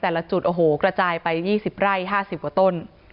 แต่ละจุดโอ้โหกระจายไป๒๐ไร่๕๐กว่าต้น